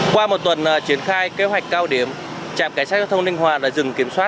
qua một tuần triển khai kế hoạch cao điểm trạm cảnh sát giao thông ninh hòa đã dừng kiểm soát